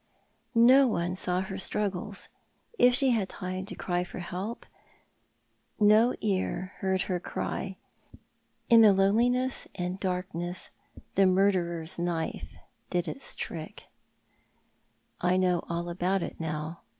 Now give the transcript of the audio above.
No one saw her struggles. If she had time to cry for help no ear heard her cry. In the loneliness and darkness tlie murderer's knife did its work. I know all about it, now.